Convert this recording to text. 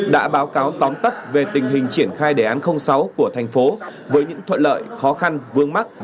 đã báo cáo tóm tắt về tình hình triển khai đề án sáu của thành phố với những thuận lợi khó khăn vương mắc